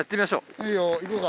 いいよ行こうか。